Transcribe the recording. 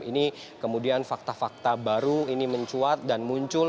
ini kemudian fakta fakta baru ini mencuat dan muncul